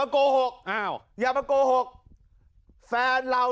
นักเรียงมัธยมจะกลับบ้าน